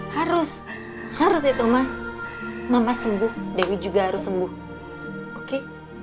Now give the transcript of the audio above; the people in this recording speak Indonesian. harus harus itu mah mama sembuh dewi juga harus sembuh oke